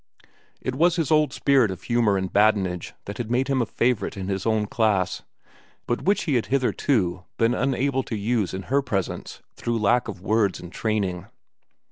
It was his old spirit of humor and badinage that had made him a favorite in his own class, but which he had hitherto been unable to use in her presence through lack of words and training.